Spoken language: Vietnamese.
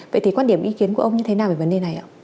vậy thì quan điểm ý kiến của ông như thế nào về vấn đề này ạ